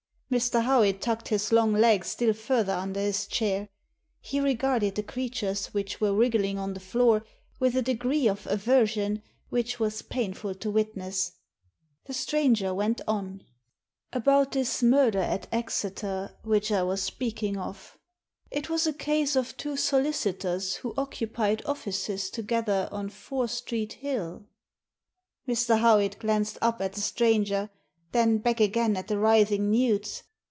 Mr. Howitt tucked his long legs still further under his chair. He regarded the creatures which were wriggling on the floor with a degree of aversion which was painful to witness. The stranger went on. Digitized by VjOOQIC A PSYCHOLOGICAL EXPERIMENT 5 " About this murder at Exeter, which I was speak ing of. It was a case of two solicitors who occupied offices together on Fore Street Hill." Mr. Howitt glanced up at the stranger, then back again at the writhing newts.